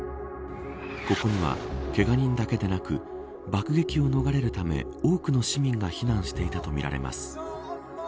ここにはけが人だけでなく爆撃を逃れるため多くの市民が避難していたとみられます。